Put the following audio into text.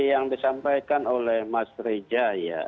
yang disampaikan oleh mas reza